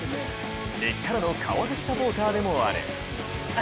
根っからの川崎サポーターでもある。